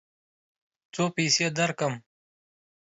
څو پیسې درکړم؟